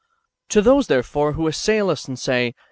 To those, therefore, who assail us, and say.